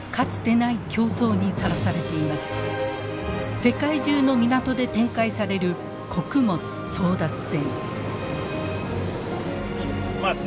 世界中の港で展開される穀物争奪戦。